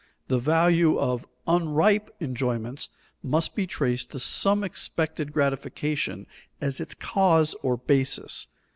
The value of unripe enjoyments must be traced to some expected gratification as its cause or basis.